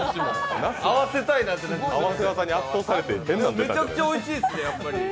めちゃくちゃおいしいっすね。